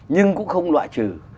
nhưng cũng không loại trừ